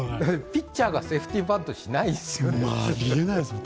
ピッチャーがセーフティーバントしないですよね。